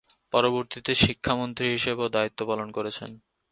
পরবর্তীতে শিক্ষামন্ত্রী হিসেবেও দায়িত্ব পালন করেছেন।